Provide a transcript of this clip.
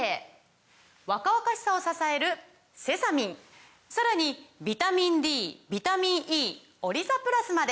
若々しさを支えるセサミンさらにビタミンＤビタミンＥオリザプラスまで！